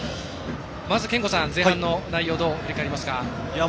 まず憲剛さん、前半の内容どう振り返りますか？